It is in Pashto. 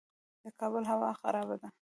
د کابل هوا خرابه ده